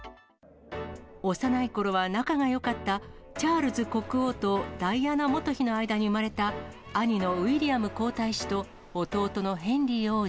幼いころは仲がよかったチャールズ国王とダイアナ元妃の間に生まれた兄のウィリアム皇太子と、弟のヘンリー王子。